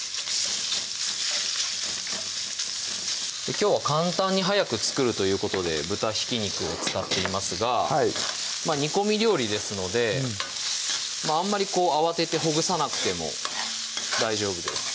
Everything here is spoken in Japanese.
きょうは簡単に早く作るということで豚ひき肉を使っていますがはい煮込み料理ですのであんまりこう慌ててほぐさなくても大丈夫です